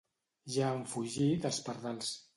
Ja han fugit els pardals.